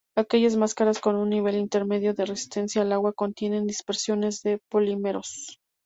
Aquellas máscaras con un nivel intermedio de resistencia al agua contienen dispersiones de polímeros.